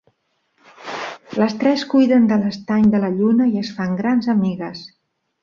Les tres cuiden de l'estany de la lluna i es fan grans amigues.